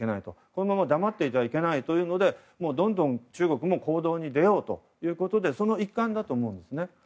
このまま黙っていてはいけないというのでどんどん、中国も行動に出ようということでその一環だと思います。